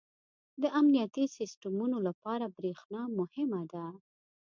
• د امنیتي سیسټمونو لپاره برېښنا مهمه ده.